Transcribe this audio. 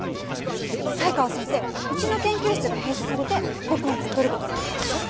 才川先生うちの研究室が閉鎖されて母校に戻る事になったでしょ？